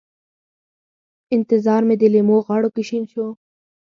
انتظار مې د لېمو غاړو کې شین شو